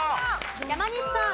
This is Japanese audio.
山西さん。